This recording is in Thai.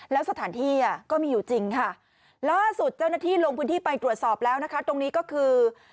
แล้วสถานที่ก็มีอยู่จริงค่ะล่าสุดเจ้าหน้าที่ลงพื้นที่ไปตรวจสอบแล้วนะคะตรงนี้ก็คือ